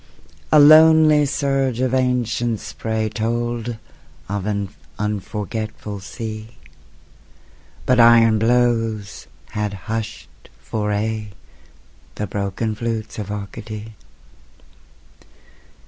A lonely surge of ancient spray Told of an unforgetful sea, But iron blows had hushed for aye The broken flutes of Arcady.